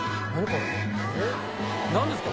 何ですか？